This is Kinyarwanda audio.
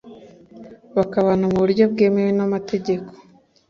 bakabana mu buryo bwemewe n’amategeko.